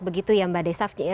begitu ya mbak desaf